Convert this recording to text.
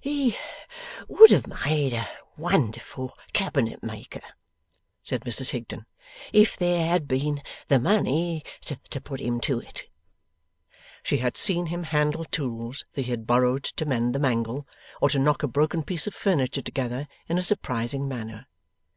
He would have made a wonderful cabinet maker, said Mrs Higden, 'if there had been the money to put him to it.' She had seen him handle tools that he had borrowed to mend the mangle, or to knock a broken piece of furniture together, in a surprising manner.